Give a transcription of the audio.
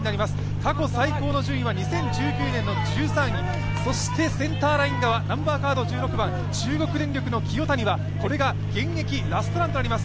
過去最高の順位は２０１９年の１３位そしてセンターライン側、中国電力の清谷はこれが現役ラストランとあります。